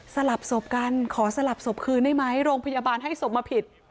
สลับศพกันขอสลับศพคืนได้ไหมโรงพยาบาลให้ศพมาผิด